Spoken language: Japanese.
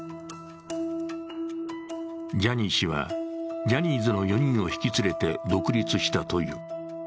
ジャニー氏は、ジャニーズの４人を引き連れて独立したという。